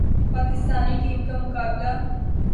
Pakistani team کا مقابلہ